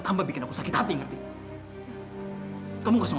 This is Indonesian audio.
wajar kalau satria memang